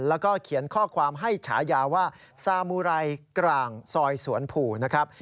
แล้วก็เขียนข้อความให้ฉายาว่าซามูไรกลางซอยสวนผูนะครับ